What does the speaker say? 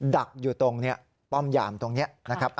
ดักอยู่ตรงเนี่ยป้อมหย่ามตรงเนี่ยนะครับ